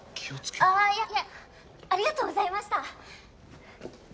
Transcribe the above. あいえありがとうございました！